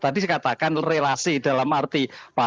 tadi saya katakan relasi dalam arti